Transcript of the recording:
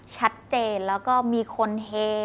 ชัดเจนแล้วก็มีคนเฮ